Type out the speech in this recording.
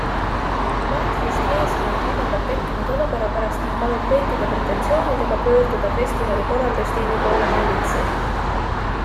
Madfest meeskond vabandab tekkinud olukorra pärast ning palub kõikide pretensioonidega pöörduda festivali korraldustiimi poole meilitsi.